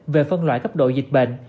về phân loại cấp độ dịch bệnh